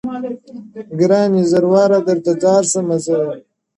• گراني زر واره درتا ځار سمه زه.